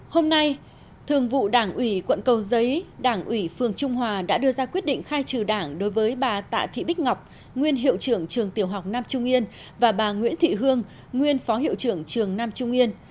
hôm nay thường vụ đảng ủy quận cầu giấy đảng ủy phường trung hòa đã đưa ra quyết định khai trừ đảng đối với bà tạ thị bích ngọc nguyên hiệu trưởng trường tiểu học nam trung yên và bà nguyễn thị hương nguyên phó hiệu trưởng trường nam trung yên